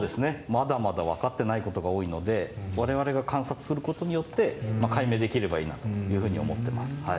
まだまだ分かってないことが多いので我々が観察することによって解明できればいいなというふうに思ってます。